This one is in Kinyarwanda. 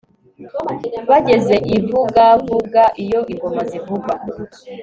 bageze ivugavuga iyo ingoma zivuga